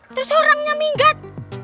terus orangnya minggat